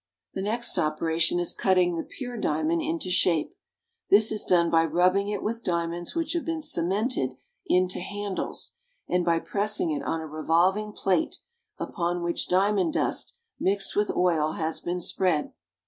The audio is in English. The next operation is cutting the pure diamond into shape. This is done by rubbing it with diamonds which have been cemented into handles, and by pressing it on a revolving plate upon which diamond dust mixed with oil has been spread.